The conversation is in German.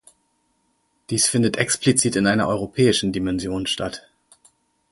Dies findet explizit in einer europäischen Dimension statt.